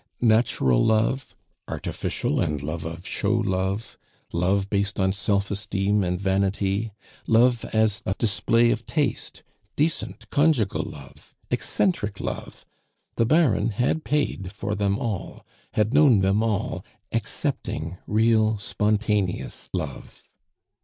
Natural love, artificial and love of show love, love based on self esteem and vanity, love as a display of taste, decent, conjugal love, eccentric love the Baron had paid for them all, had known them all excepting real spontaneous love.